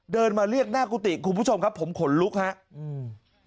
มาเรียกหน้ากุฏิคุณผู้ชมครับผมขนลุกครับ